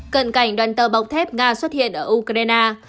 cận cảnh đoàn tàu bọc thép nga xuất hiện ở ukraine